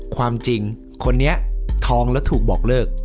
ความจริงคนนี้ท้องแล้วถูกบอกเลิก